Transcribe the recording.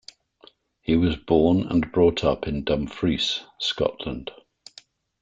He was born and brought up in Dumfries, Scotland.